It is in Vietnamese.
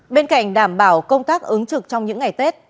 bên cạnh đảm bảo công tác ứng trực trong những ngày tết